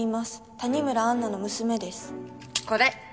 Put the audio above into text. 谷村安奈の娘でこれ！